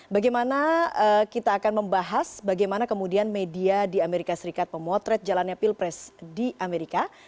bagaimana kita akan membahas bagaimana kemudian media di amerika serikat memotret jalannya pilpres di amerika